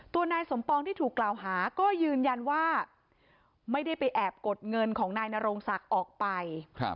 นายสมปองที่ถูกกล่าวหาก็ยืนยันว่าไม่ได้ไปแอบกดเงินของนายนโรงศักดิ์ออกไป